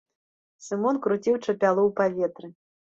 Сымон круціў чапялу ў паветры.